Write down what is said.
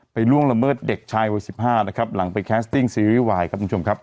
ล่วงละเมิดเด็กชายวัย๑๕นะครับหลังไปแคสติ้งซีรีส์วายครับคุณผู้ชมครับ